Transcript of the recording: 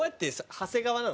「長谷川」なの？